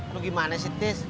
lu gimana sih tis